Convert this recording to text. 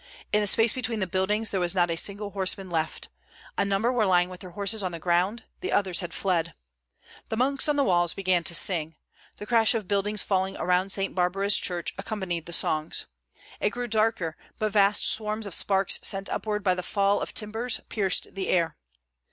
In the space between the buildings there was not a single horseman left. A number were lying with their horses on the ground; the others had fled. The monks on the walls began to sing. The crash of buildings falling around Saint Barbara's church accompanied the songs. It grew darker, but vast swarms of sparks sent upward by the fall of timbers pierced the air.